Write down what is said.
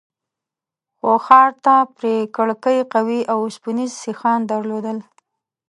خو ښار ته پرې کړکۍ قوي اوسپنيز سيخان درلودل.